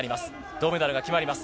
銅メダルが決まります。